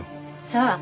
さあ。